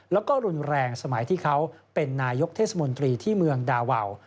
แล้วก็รุนแรงสมัยที่เขาเป็นนายกเทศมนตรีที่เมืองดาวาว